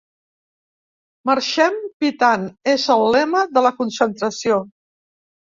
Marxem pitant és el lema de la concentració.